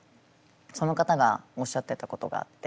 その方がおっしゃってたことがあって。